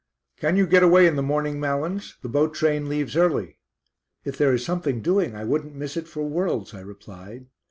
"Can you get away in the morning, Malins? The boat train leaves early." "If there is something doing I wouldn't miss it for worlds!" I replied.